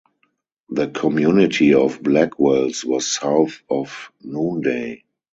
The community of Blackwells was south of Noonday.